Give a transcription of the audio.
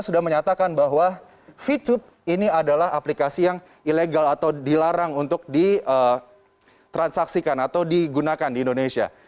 sudah menyatakan bahwa vtube ini adalah aplikasi yang ilegal atau dilarang untuk ditransaksikan atau digunakan di indonesia